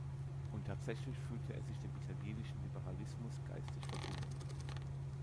Und tatsächlich fühlte er sich dem italienischen Liberalismus geistig verbunden.